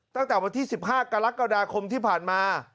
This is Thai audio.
ตั้งแต่วันที่๑๕กรกฎาคมที่ผ่านมา